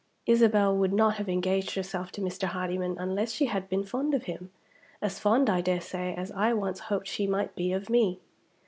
Isabel would not have engaged herself to Mr. Hardyman unless she had been fond of him as fond, I dare say, as I once hoped she might be of me.